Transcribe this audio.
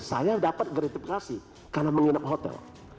saya dapat gratifikasi karena menginap hotel